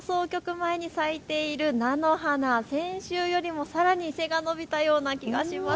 前に咲いている菜の花、先週よりもさらに背が伸びたような気がします。